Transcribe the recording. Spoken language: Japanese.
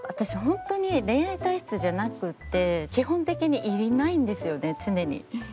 本当に恋愛体質じゃなくて基本的にいないんですよね常に。